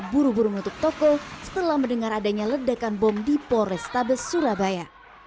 buru buru menutup toko setelah mendengar adanya ledakan bom di polrestabes surabaya